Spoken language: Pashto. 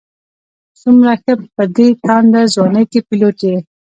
څومره ښه په دې تانده ځوانۍ کې پيلوټ یې.